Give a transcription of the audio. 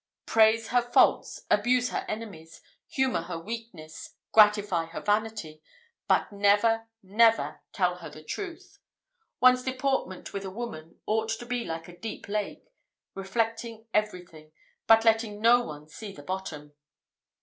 Praise her faults, abuse her enemies, humour her weakness, gratify her vanity, but never, never tell her the truth. One's deportment with a woman ought to be like a deep lake, reflecting everything, but letting no one see the bottom."